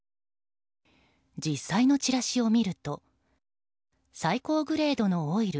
実際のチラシを見ると最高グレードのオイル